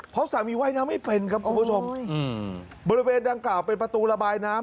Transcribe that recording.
เพราะสามีว่ายน้ำไม่เป็นครับคุณผู้ชมบริเวณดังกล่าวเป็นประตูระบายน้ำ